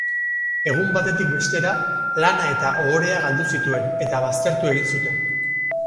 Egun batetik bestera, lana eta ohorea galdu zituen eta baztertu egin zuten.